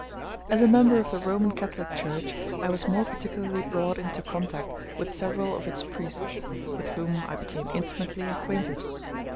As a member of the Roman Catholic Church I was more particularly brought into contact with several of its priests, with whom I became intimately acquainted.